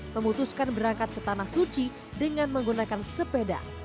memutuskan berangkat ke tanah suci dengan menggunakan sepeda